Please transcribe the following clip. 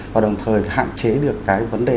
và đồng thời hạn chế được cái vấn đề